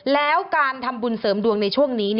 แล้วการทำบุญเสริมดวงในช่วงนี้